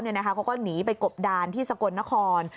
เขาก็หนีไปกบดานที่สกลนคร